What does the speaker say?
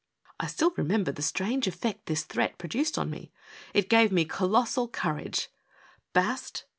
I still remember the strange effect this threat pro duced on me. It gave me colossal courage^ " Bast